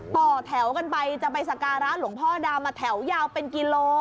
ต่อแถวกันไปจะไปสการะหลวงพ่อดำแถวยาวเป็นกิโล